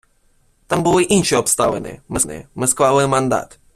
Там були інші обставини, ми склали мандат.